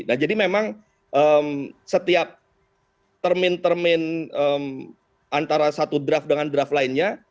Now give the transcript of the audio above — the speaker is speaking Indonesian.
nah jadi memang setiap termin termin antara satu draft dengan draft lainnya